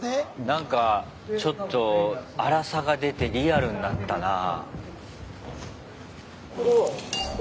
なんかちょっとあらさが出てリアルになったなぁ。